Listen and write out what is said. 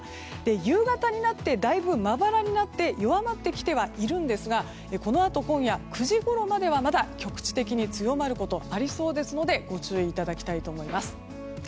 夕方になってだいぶまばらになって弱まってきてはいるんですがこのあと今夜９時ごろまではまだ局地的に強まることがありそうですのでご注意いただきたいと思います。